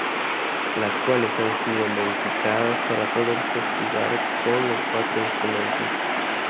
Las cuales han sido modificadas para poderse jugar con los cuatros instrumentos.